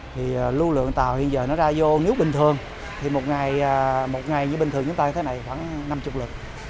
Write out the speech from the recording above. thì lưu lượng tàu hiện giờ nó ra vô nếu bình thường thì một ngày như bình thường chúng ta như thế này khoảng năm mươi lượt